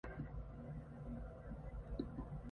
He developed a pain at the end.